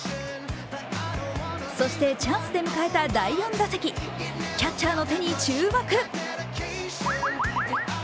そしてチャンスで迎えた第４打席、キャッチャーの手に注目。